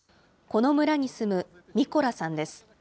この村に住むミコラさんです。